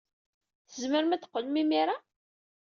Tzemrem ad d-teqqlem imir-a?